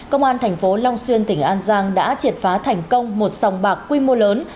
công an tp long xuyên tỉnh an giang đã triệt phá thành công một sòng bạc quy mô lớn